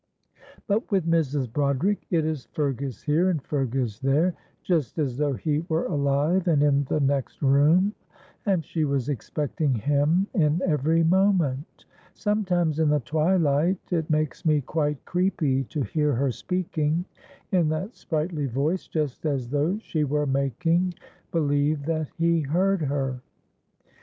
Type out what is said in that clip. "But with Mrs. Broderick it is 'Fergus here' and 'Fergus there,' just as though he were alive and in the next room, and she was expecting him in every moment. Sometimes in the twilight it makes me quite creepy to hear her speaking in that sprightly voice, just as though she were making believe that he heard her."